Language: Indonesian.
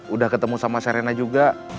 udah ketemu sama serena juga